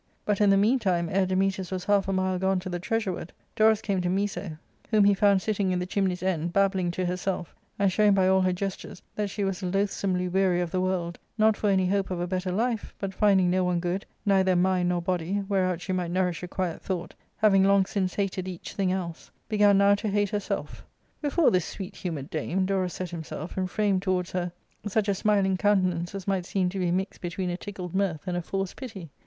But in the meantime, ere Dametas was half a mile gone to the treasure ward, Dorus came to Miso, whom he found * Renting— Stt note, p. 386. 394 ARCADIA. ^Book IIL sitting in the chimney's end, babbling to herself, and showing by all her gestures that she was loathsomely weary of the world, not for any hope of a better life, but, finding no one good, neither in mind nor body, whereout she might nourish a quiet thought, having long since hated each thing else, began now to hate herself. Before this sweet humoured dame Dorus set himself, and framed towards her such a smiling countenance as might seem to be mixed between a tickled mirth and a forced pity.